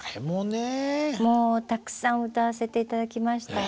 もうたくさん歌わせて頂きました。